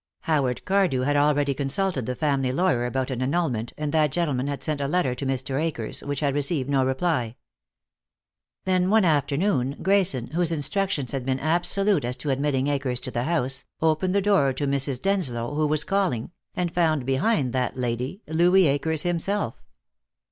Howard Cardew had already consulted the family lawyer about an annulment, and that gentleman had sent a letter to Akers, which had received no reply. Then one afternoon Grayson, whose instructions had been absolute as to admitting Akers to the house, opened the door to Mrs. Denslow, who was calling, and found behind that lady Louis Akers himself.